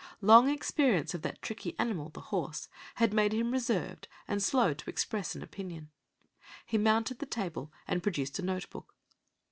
Long experience of that tricky animal, the horse, had made him reserved and slow to express an opinion. He mounted the table, and produced a note book.